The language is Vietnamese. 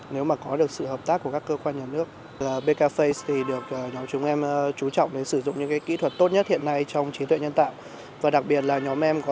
nếu mà có được sự hợp tác của các cơ quan nhận diện